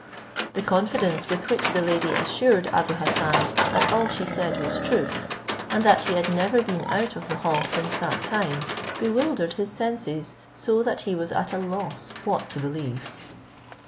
The confidence with which the lady assured Abou Hassan that all she said was truth, and that he had never been out of the hall since that time, bewildered his senses so that he was at a loss what to believe.